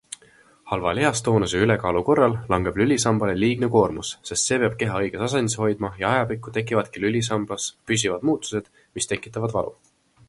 Halva lihastoonuse ja ülekaalu korral langeb lülisambale liigne koormus, sest see peab keha õiges asendis hoidma ja ajapikku tekivadki lülisambas püsivad muutused, mis tekitavad valu.